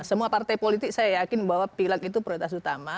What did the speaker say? semua partai politik saya yakin bahwa pilak itu prioritas utama